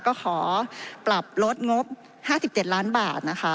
ก็ขอปรับลดงบ๕๗ล้านบาทนะคะ